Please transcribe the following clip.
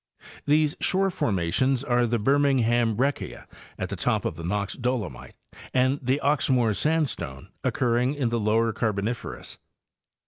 These shore formations are the Birmingham breccia at the top of the Knox dolomite and the Oxmoor sandstone occurring in the lower Carboniferous.